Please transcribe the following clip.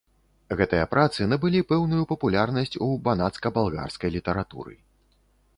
Гэтыя працы набылі пэўную папулярнасць у банацка-балгарскай літаратуры.